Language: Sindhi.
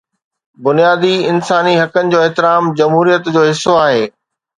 بنيادي انساني حقن جو احترام جمهوريت جو حصو آهي.